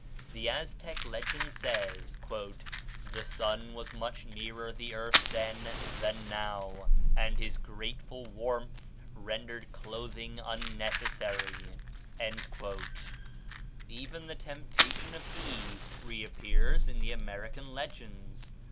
The Aztec legend says, "The sun was much nearer the earth then than now, and his grateful warmth rendered clothing unnecessary." Even the temptation of Eve reappears in the American legends.